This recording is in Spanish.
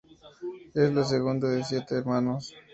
Es la segunda de siete hermanos.